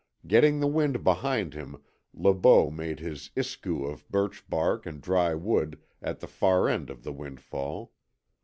Getting the wind behind him Le Beau made his ISKOO of birch bark and dry wood at the far end of the windfall.